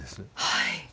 はい。